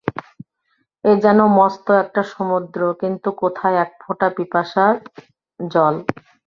এ যেন মস্ত একটা সমুদ্র কিন্তু কোথায় একফোঁটা পিপাসার জল?